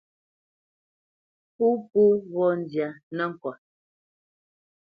Pó po ghɔ̂ nzyâ nəŋkɔt.